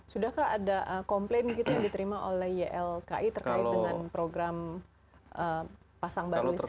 sudahkah ada komplain gitu yang diterima oleh ylki terkait dengan program pasang baru listrik ini